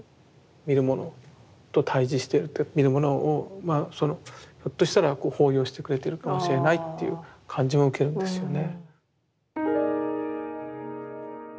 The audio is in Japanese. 見る者と対峙してるって見る者をそのひょっとしたら抱擁してくれてるかもしれないっていう感じも受けるんですよね。